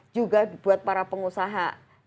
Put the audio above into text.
juga buat para pengusaha